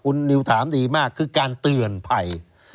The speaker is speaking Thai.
คุณนิวถามดีมากคือการเตือนภัย